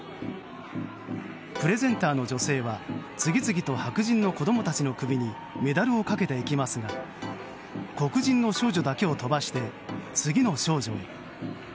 プレゼンターの女性は次々と白人の子供たちの首にメダルをかけていきますが黒人の少女だけを飛ばして次の少女へ。